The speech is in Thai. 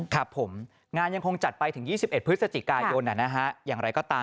ครับผมงานยังคงจัดไปถึง๒๑พฤศจิกายนอย่างไรก็ตาม